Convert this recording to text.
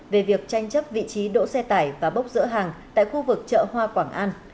về việc tranh chấp vị trí đỗ xe tải và bốc rỡ hàng tại khu vực chợ hoa quảng an